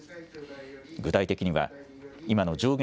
具体的には、今の上限